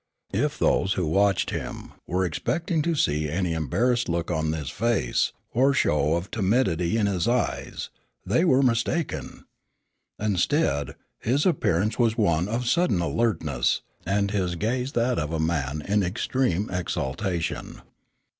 If those who watched him, were expecting to see any embarrassed look on his face, or show of timidity in his eyes, they were mistaken. Instead, his appearance was one of sudden alertness, and his gaze that of a man in extreme exaltation.